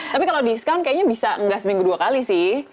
tapi kalau diskon kayaknya bisa enggak seminggu dua kali sih